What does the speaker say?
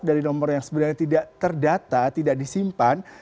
dari nomor yang sebenarnya tidak terdata tidak disimpan